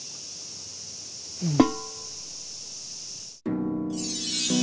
うん。